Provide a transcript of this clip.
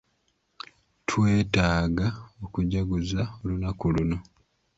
Twetaaga okujaguza olunaku luno.